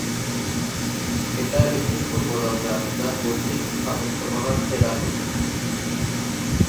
এটার একটা পূর্ব দরজা আছে যা গোথিক স্থাপত্যকলার টেরাকোটা।